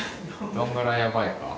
どれぐらいやばいまあ